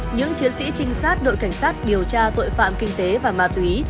những chiến sĩ trinh sát đội cảnh sát điều tra tội phạm kinh tế và ma túy